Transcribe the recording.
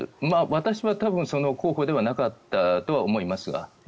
私は多分その候補ではなかったとは思いますが。